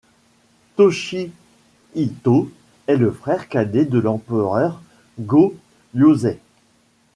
Toshihito est le frère cadet de l'empereur Go-Yōzei.